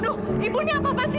aduh ibu ini apa sih